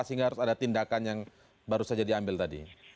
sehingga harus ada tindakan yang baru saja diambil tadi